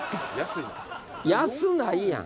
安ないやん。